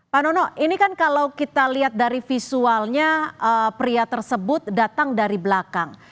pak nono ini kan kalau kita lihat dari visualnya pria tersebut datang dari belakang